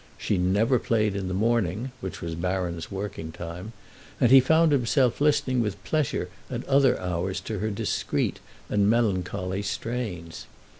She never played in the morning, which was Baron's working time, and he found himself listening with pleasure at other hours to her discreet and melancholy strains.